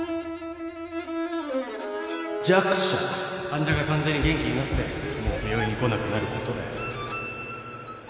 患者が完全に元気になってもう病院に来なくなることだよ